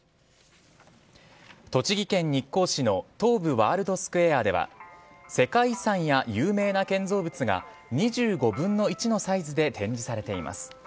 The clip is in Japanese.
栃木県日光市の東武ワールドスクエアでは、世界遺産や有名な建造物が２５分の１のサイズで展示されています。